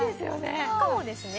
しかもですね